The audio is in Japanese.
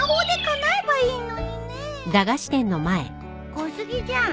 小杉じゃん。